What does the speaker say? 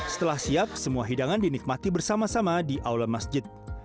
setelah siap semua hidangan dinikmati bersama sama di aula masjid